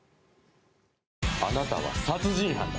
あなたは殺人犯だ。